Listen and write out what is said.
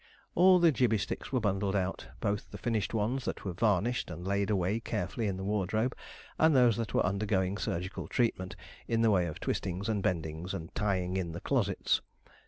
All the gibbey sticks were bundled out, both the finished ones, that were varnished and laid away carefully in the wardrobe, and those that were undergoing surgical treatment, in the way of twistings, and bendings, and tyings in the closets.